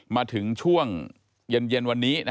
มาถึงช่วงเย็นวันนี้